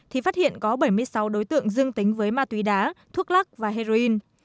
thì phát hiện có bảy mươi sáu đối tượng dương tính với ma túy đá thuốc lắc và heroin